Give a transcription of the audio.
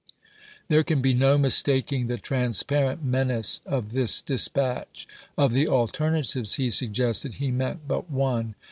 There can be no mistaking the transparent men ace of this dispatch. Of the alternatives he sug gested, he meant but one.